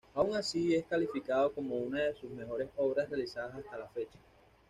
Aun así, es calificado como una de sus mejores obras realizadas hasta la fecha.